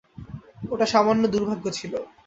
ওটা সামান্য দুর্ভাগ্য ছিল।